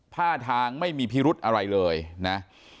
ท่าทางไม่มีพิรุธอะไรเลยนะ